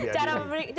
cara berpikir dia